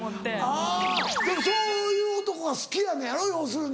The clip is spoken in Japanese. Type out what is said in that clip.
あぁでもそういう男が好きやのやろ要するに。